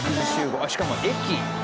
しかも駅。